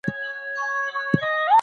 تر نېوکې لاندې نيول شوي دي.